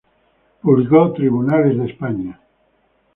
Publicó "Tribunales de España.